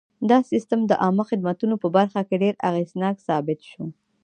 دا سیستم د عامه خدمتونو په برخه کې ډېر اغېزناک ثابت شو.